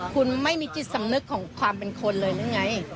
คุณไม่มีจิตสำนึกของความเป็นคนเลยหรือไง